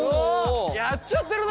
やっちゃってるね。